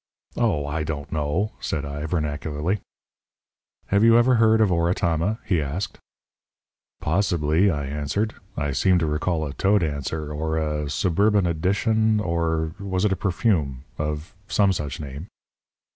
"Oh, I don't know!" said I, vernacularly. "Have you ever heard of Oratama?" he asked. "Possibly," I answered. "I seem to recall a toe dancer or a suburban addition or was it a perfume? of some such name."